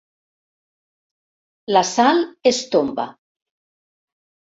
La Sal es tomba.